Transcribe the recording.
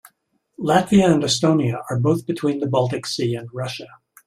Latvia and Estonia are both between the Baltic Sea and Russia.